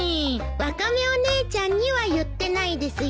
ワカメお姉ちゃんには言ってないですよ。